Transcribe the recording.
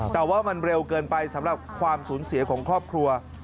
แต่ว่ามันเร็วเกินไปสำหรับความสูญเสียของครอบครัว